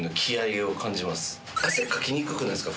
汗かきにくくないですか？